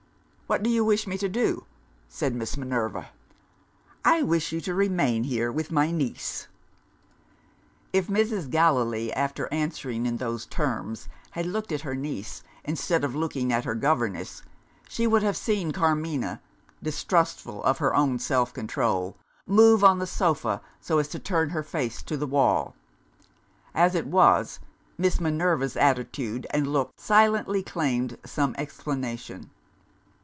"What do you wish me to do?" said Miss Minerva. "I wish you to remain here with my niece." If Mrs. Gallilee, after answering in those terms, had looked at her niece, instead of looking at her governess, she would have seen Carmina distrustful of her own self control move on the sofa so as to turn her face to the wall. As it was, Miss Minerva's attitude and look silently claimed some explanation.